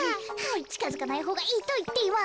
ちかづかないほうがいいといっています。